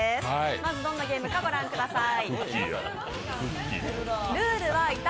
まずどんなゲームかご覧ください。